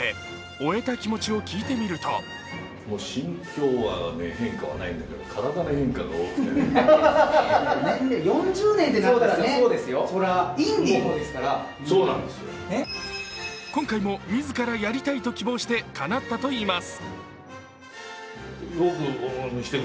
終えた気持ちを聞いてみると今回も自らやりたいと希望してかなったといいます。